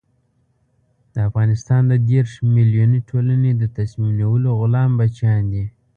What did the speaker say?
د افغانستان د دېرش ملیوني ټولنې د تصمیم نیولو غلام بچیان دي.